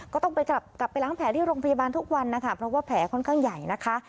ก็ต้องไปกลับไปล้างแผลที่โรงพยาบาลทุกวันนะคะเพราะว่าแผลค่อนข้างใหญ่นะคะ